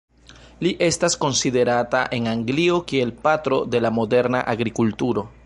Li estas konsiderata en Anglio kiel "patro" de la moderna agrikulturo.